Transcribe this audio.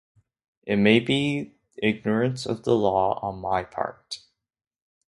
It may be ignorance of the law on my part.